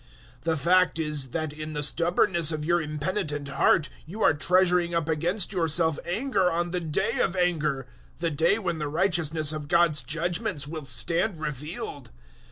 002:005 The fact is that in the stubbornness of your impenitent heart you are treasuring up against yourself anger on the day of Anger the day when the righteousness of God's judgements will stand revealed.